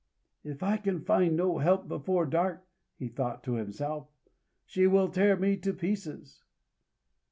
"If I can find no help before dark," he thought to himself, "she will tear me to pieces."